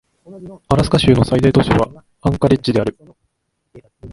アラスカ州の最大都市はアンカレッジである